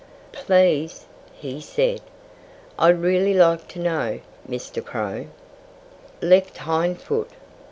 "Please!" he said. "I'd really like to know, Mr. Crow!" "Left hind foot!"